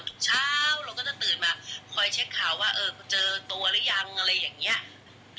ทุกเช้าเราก็จะตื่นมาคอยเช็คข่าวว่าเออเจอตัวหรือยังอะไรอย่างนี้